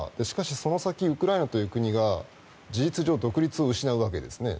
しかしその先ウクライナという国が事実上、独立を失うわけです。